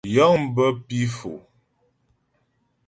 Yəŋ bə pǐ Fò.